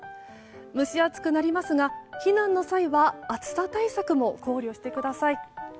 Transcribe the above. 蒸し暑くなりますが避難の際は暑さ対策も考慮してください。